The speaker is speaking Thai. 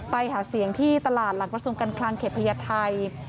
ไปหาเสียงที่ตลาดหลังประสงค์กันคลังเขตพยาธิไทย